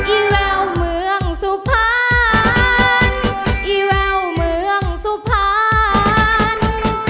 อีแววเมืองสุภัณฑ์อีแววเมืองสุภัณฑ์